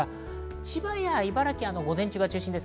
千葉や茨城は午前中が中心です。